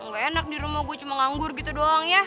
gak enak di rumah gue cuma nganggur gitu doang ya